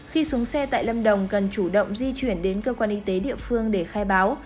khi xuống xe tại lâm đồng cần chủ động di chuyển đến cơ quan y tế địa phương để khai báo